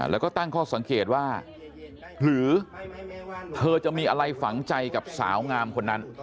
แล้วก็ตั้งข้อสังเกตว่าหรือเธอจะมีอะไรฝังใจกับสาวงามคนนั้น